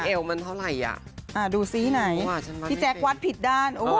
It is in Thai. ปกติเอวมันเท่าไหร่ดูซิไหนพี่แจ๊กวัดผิดด้าน